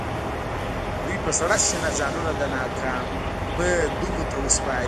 دوی په سړه سينه ځانونه د ناکامۍ لومو ته سپاري.